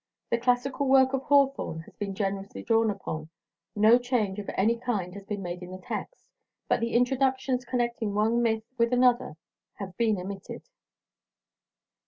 The classical work of Hawthorne has been generously drawn upon. No change of any kind has been made in the text, but the introductions connecting one myth with another have been omitted.